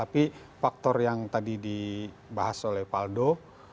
jadi faktor yang tadi dibahas oleh paldo